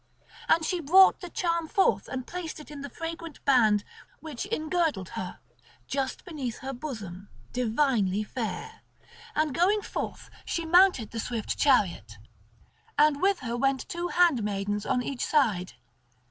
And she brought the charm forth and placed it in the fragrant band which engirdled her, just beneath her bosom, divinely fair. And going forth she mounted the swift chariot, and with her went two handmaidens on each side.